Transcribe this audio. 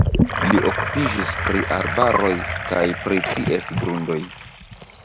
Li okupiĝis pri arbaroj kaj pri ties grundoj.